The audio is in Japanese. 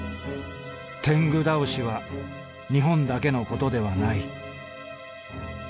“天狗だおし”は日本だけのことではない」。